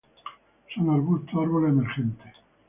Son arbustos o árboles emergentes.